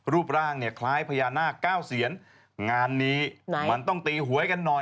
รูปร่างเนี่ยคล้ายพญานาคเก้าเซียนงานนี้มันต้องตีหวยกันหน่อย